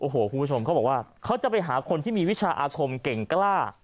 โอ้โหคุณผู้ชมเขาบอกว่าเขาจะไปหาคนที่มีวิชาอาคมเก่งกล้า